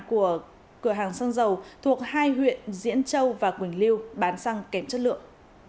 của cửa hàng xăng dầu thuộc hai huyện diễn châu và quỳnh lưu bán xăng kém chất lượng